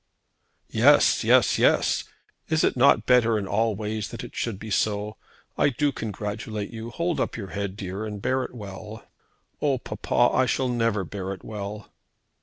"Yes, yes, yes. Is it not better in all ways that it should be so? I do congratulate you. Hold up your head, dear, and bear it well." "Oh, papa, I shall never bear it well."